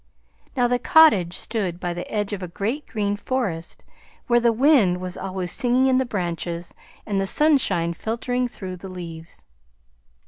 Now the cottage stood by the edge of a great green forest where the wind was always singing in the branches and the sunshine filtering through the leaves.